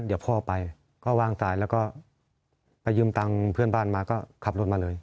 เดี๋ยวพ่อไปก็ว่างตายแล้วก็ไปยืมตังค์เพื่อนบ้านมาก็ขับรถมาเลย